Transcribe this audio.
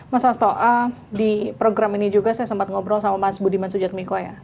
mas hasto di program ini juga saya sempat ngobrol sama mas budiman sujatmiko ya